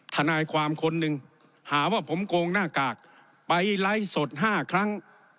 ทนายความคนหนึ่งหาว่าผมโกงหน้ากากไปไลฟ์สด๕ครั้ง